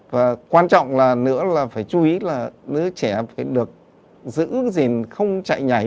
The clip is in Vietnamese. và quan trọng là nữa là phải chú ý là đứa trẻ phải được giữ gìn không chạy nhảy